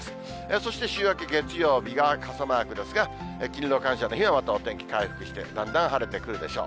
そして週明け月曜日が、傘マークですが、勤労感謝の日はまたお天気回復して、だんだん晴れてくるでしょう。